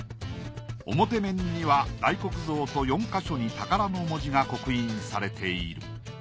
表面には大黒像と４か所に宝の文字が刻印されている。